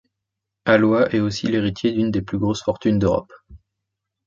Alois est aussi l'héritier d'une des plus grosses fortunes d'Europe.